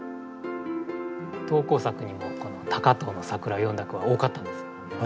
投稿作にもこの高遠の桜を詠んだ句は多かったんです。